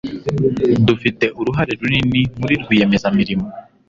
Dufite uruhare runini muri rwiyemezamirimo.